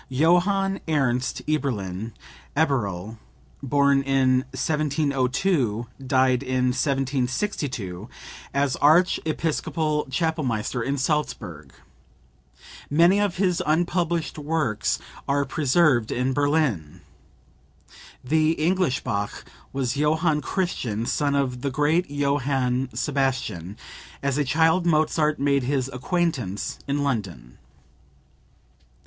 Johann Ernst Eberlin (Eberle), born in 1702, died in 1762 as archiepiscopal chapelmaster in Salzburg. Many of his unpublished works are preserved in Berlin. The "English" Bach was Johann Christian, son of the great Johann Sebastian. As a child Mozart made his acquaintance in London.)